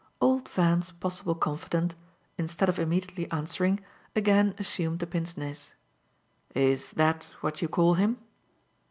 Old Van's possible confidant, instead of immediately answering, again assumed the pince nez. "Is that what you call him?"